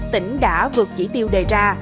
tỉnh đã vượt chỉ tiêu đề ra